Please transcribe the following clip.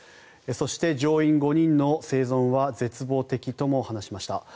そして乗員５人の生存は絶望的とも話しました。